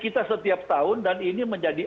kita setiap tahun dan ini menjadi